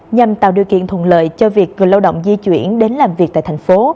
nhằm tạo điều kiện thuận lợi cho việc người lao động di chuyển đến làm việc tại thành phố